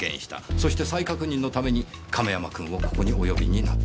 そして再確認のために亀山君をここにお呼びになった。